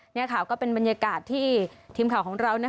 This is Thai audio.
แบบนี้เป็นบรรยากาศที่ทีมข่าวของเรา